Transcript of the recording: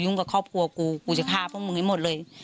กับครอบครัวกูกูจะฆ่าพวกมึงให้หมดเลย